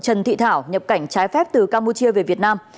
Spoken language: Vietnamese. trần thị thảo nhập cảnh trái phép từ campuchia về việt nam